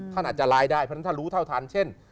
ท่านอาจจะร้ายได้เพราะฉะนั้นถ้ารู้เท่าทันเช่น